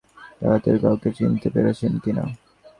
স্বাভাবিকভাবেই প্রশ্ন করা হচ্ছে, ডাকাতদের কাউকে চিনতে পেরেছেন কি না?